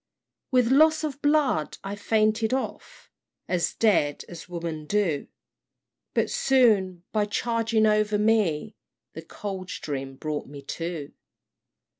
"With loss of blood I fainted off, As dead as women do But soon by charging over me, The Coldstream brought me to.